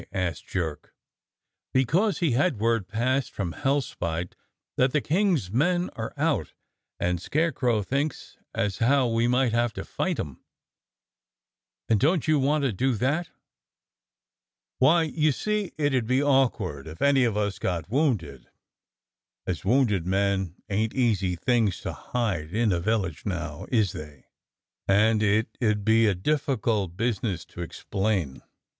asked Jerk. "Because he's had word passed from Hellspite that the King's men are out, and Scarecrow thinks as how we may have to fight 'em." "And don't you want to do that?" "Why, you see it 'ud be awkward if any of us got wounded, as wounded men ain't easy things to hide in a village now, is they? and it 'ud be a difficult busi ness to explain.